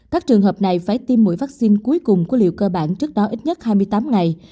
các trường hợp này phải tiêm mũi vaccine cuối cùng của liều cơ bản trước đó ít nhất hai mươi tám ngày